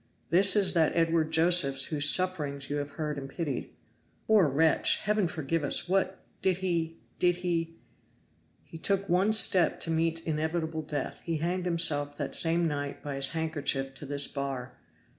"This is that Edward Josephs whose sufferings you have heard and pitied." "Poor wretch! Heaven forgive us! What, did he did he ?" "He took one step to meet inevitable death he hanged himself that same night by his handkerchief to this bar.